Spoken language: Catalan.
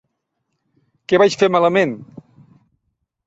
Què vaig fer malament?